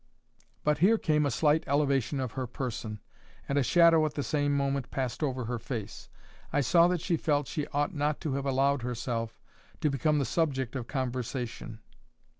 But here came a slight elevation of her person; and a shadow at the same moment passed over her face. I saw that she felt she ought not to have allowed herself to become the subject of conversation.